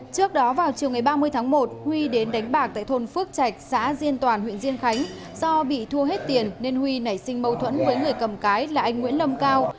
trước đó vào chiều ngày ba mươi tháng một huy đến đánh bạc tại thôn phước trạch xã diên toàn huyện diên khánh do bị thua hết tiền nên huy nảy sinh mâu thuẫn với người cầm cái là anh nguyễn lâm cao